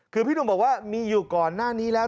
คือพี่หนุ่มบอกว่ามีอยู่ก่อนหน้านี้แล้ว